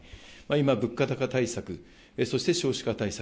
今、物価高対策、そして少子化対策。